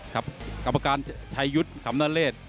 ครับกรรมการชายุทธ์ขำนเรศ